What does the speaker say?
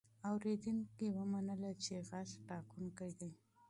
اورېدونکي ومنله چې غږ ټاکونکی دی.